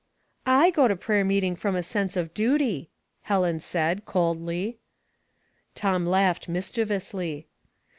" /go to prayer meeting from a sense of duty," Helen said, coldly. Tom laughed mischievously.